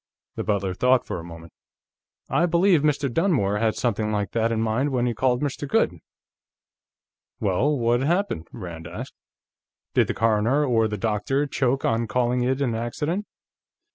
The butler thought for a moment. "I believe Mr. Dunmore had something like that in mind when he called Mr. Goode." "Well, what happened?" Rand asked. "Did the coroner or the doctor choke on calling it an accident?"